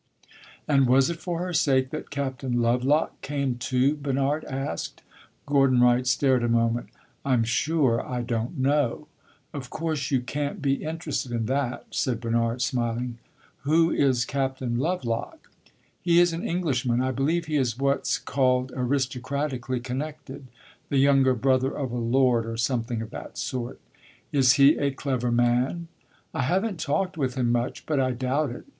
"And was it for her sake that Captain Lovelock came, too?" Bernard asked. Gordon Wright stared a moment. "I 'm sure I don't know!" "Of course you can't be interested in that," said Bernard smiling. "Who is Captain Lovelock?" "He is an Englishman. I believe he is what 's called aristocratically connected the younger brother of a lord, or something of that sort." "Is he a clever man?" "I have n't talked with him much, but I doubt it.